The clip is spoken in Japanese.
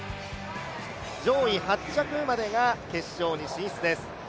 上位８着までが決勝に進出です。